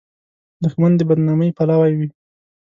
دښمن د بد نامۍ پلوی وي